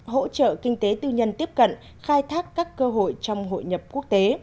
hỗ trợ kinh tế tư nhân tiếp cận khai thác các cơ hội trong hội nhập quốc tế